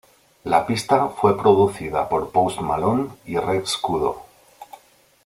La pista fue producida por Post Malone y Rex Kudo.